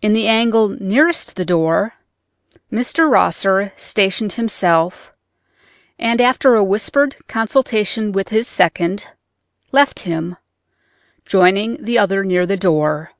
In the angle nearest the door Mr. Rosser stationed himself, and after a whispered consultation his second left him, joining the other near the door.